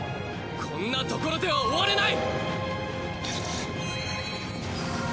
こんなところでは終われない。